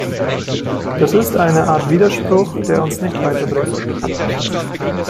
Das ist eine Art Widerspruch, der uns nicht weiter bringt.